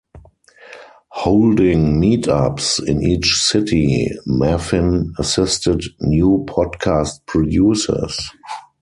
Holding "meetups" in each city, Maffin assisted new podcast producers.